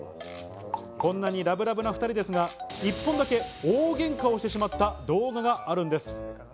こんなにラブラブな２人ですが、一本だけ大喧嘩をしてしまった動画があるんです。